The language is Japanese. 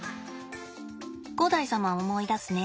五代様を思い出すね。